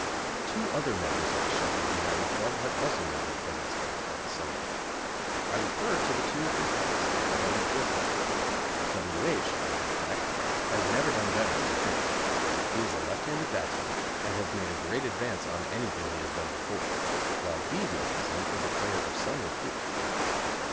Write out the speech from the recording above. Two other members of the Sheffield United club have also made their presence felt at the summer game. I refer to the two half backs, the brothers Wilkinson. W. H., the half back, has never done better as a cricketer. He is a left handed batsman, and has made a great advance on anything he has done before, while B. Wilkinson is a player of some repute.